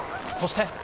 そして。